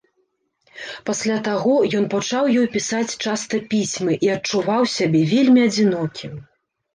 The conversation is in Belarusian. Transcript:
Пасля таго ён пачаў ёй пісаць часта пісьмы і адчуваў сябе вельмі адзінокім.